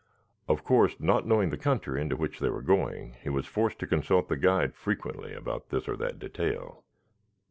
Of course, not knowing the country into which they were going, he was forced to consult the guide frequently about this or that detail.